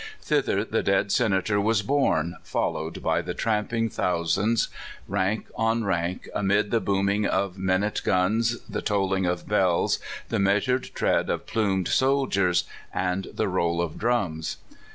Thither the dead Senator was borne, followed by the tramping thousands, rank on rank, amid the booming of min ute guns, the tolling of bells, the measured tread of plumed soldiers, and the roll of drums.